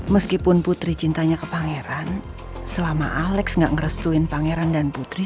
meskipun putri cintanya ke pangeran selama alex gak merestuin pangeran dan putri